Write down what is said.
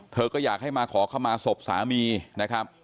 ก็อยากให้มาขอเข้ามาศพสามีนะครับ